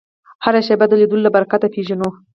هره شېبه د لیدلو له برکته پېژنو